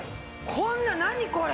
こんな何これ？